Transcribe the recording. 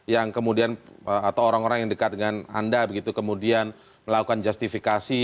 yang kemudian atau orang orang yang dekat dengan anda begitu kemudian melakukan justifikasi